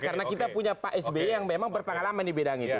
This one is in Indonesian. karena kita punya pak sby yang memang berpengalaman di bidang itu